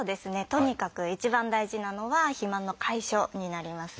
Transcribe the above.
とにかく一番大事なのは肥満の解消になります。